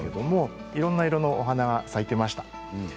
いろんなお花が咲いていました。